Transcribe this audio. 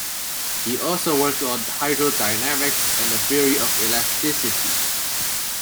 He also worked on hydrodynamics and the theory of elasticity.